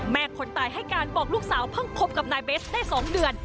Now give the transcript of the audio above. คนตายให้การบอกลูกสาวเพิ่งคบกับนายเบสได้๒เดือน